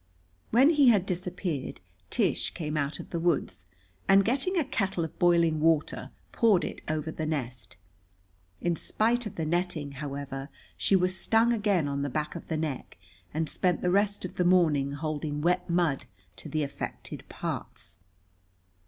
When he had disappeared, Tish came out of the woods, and, getting a kettle of boiling water, poured it over the nest. In spite of the netting, however, she was stung again, on the back of the neck, and spent the rest of the morning holding wet mud to the affected parts.